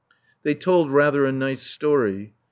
They told rather a nice story.